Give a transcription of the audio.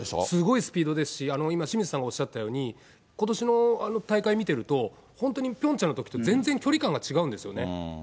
すごいスポーツですし、今、清水さんがおっしゃったように、ことしの大会見てると、本当にピョンチャンのときと、全然距離感が違うんですよね。